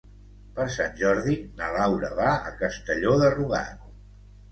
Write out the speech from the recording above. Per Sant Jordi na Laura va a Castelló de Rugat.